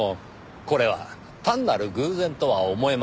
これは単なる偶然とは思えません。